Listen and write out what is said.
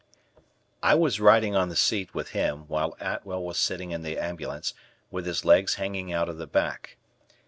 I was riding on the seat with him while Atwell was sitting in the ambulance, with his legs hanging out of the back.